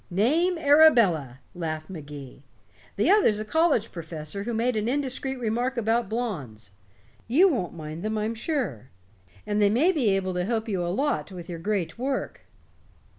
"Name, Arabella," laughed Magee. "The other's a college professor who made an indiscreet remark about blondes. You won't mind them, I'm sure, and they may be able to help you a lot with your great work."